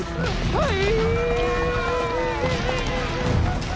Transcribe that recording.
はい！